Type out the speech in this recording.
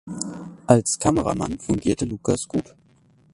Als Kameramann fungierte Lukas Gut.